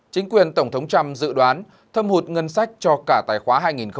chính quyền tổng thống trump dự đoán thâm hụt ngân sách cho cả tài khoá hai nghìn một mươi tám hai nghìn một mươi chín